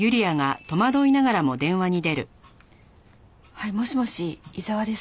はいもしもし伊沢です。